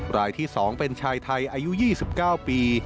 รายที่๒เป็นชายไทยอายุ๒๙ปี